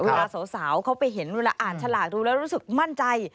เวลาสาวเขาไปเห็นเวลาอ่านฉลากดูแล้วรู้สึกมั่นใจ